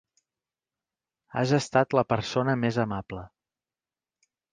Has estat la persona més amable.